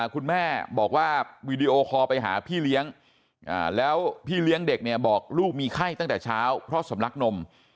คุณแม่บอกว่าวีดีโอคอลไปหาพี่เลี้ยงแล้วพี่เลี้ยงเด็กเนี่ยบอกลูกมีไข้ตั้งแต่เช้าเพราะสำลักนม